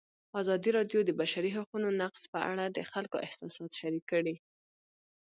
ازادي راډیو د د بشري حقونو نقض په اړه د خلکو احساسات شریک کړي.